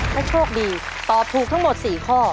ถ้าโชคดีตอบถูกทั้งหมด๔ข้อ